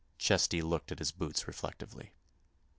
Chesty looked at his boots reflectively.